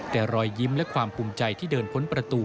แต่รอยยิ้มและความภูมิใจที่เดินพ้นประตู